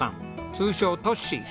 通称トッシー。